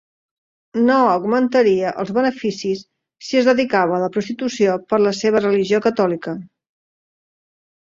No augmentaria els beneficis si es dedicava a la prostitució per la seva religió catòlica.